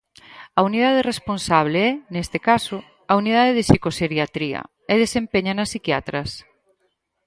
A unidade responsable é, neste caso, a unidade de psicoxeriatría e desempéñana psiquiatras.